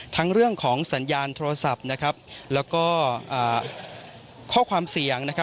เรื่องของสัญญาณโทรศัพท์แล้วก็ข้อความเสียง